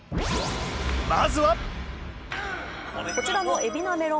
まずはこちらの。